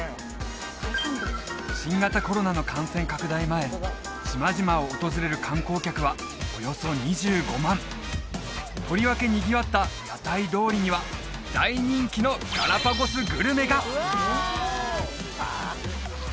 前島々を訪れる観光客はおよそ２５万とりわけにぎわった屋台通りには大人気のガラパゴスグルメが！